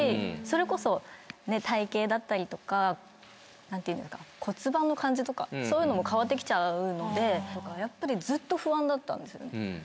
それこそ体形だったりとか骨盤の感じとかそういうのも変わってきちゃうのでやっぱりずっと不安だったんですよね。